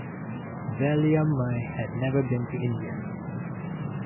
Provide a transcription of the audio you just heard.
Valliammai had never been to India.